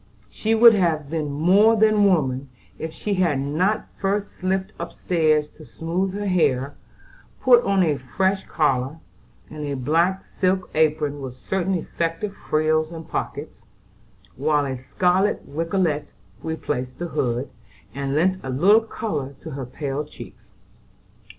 She would have been more than woman if she had not first slipped upstairs to smooth her hair, put on a fresh collar, and a black silk apron with certain effective frills and pockets, while a scarlet rigolette replaced the hood, and lent a little color to her pale cheeks.